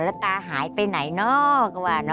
แล้วตาหายไปไหนนอกว่า